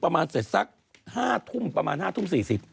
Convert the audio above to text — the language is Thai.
ประมาณเสร็จสัก๕ทุ่มประมาณ๕ทุ่ม๔๐